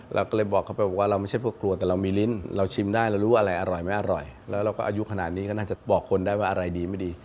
เราก็เลยบอกเขาไปบอกว่าเราไม่ใช่พวกกลัวแต่เรามีลิ้นเราชิมได้เรารู้อะไรอร่อยไม่อร่อยแล้วเราก็อายุขนาดนี้ก็น่าจะบอกคนได้ว่าอะไรดีไม่ดี